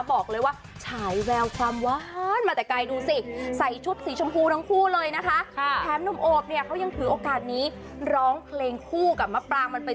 บอกเลยว่าสายแววคลามว้านมาแต่ไกลดูสิ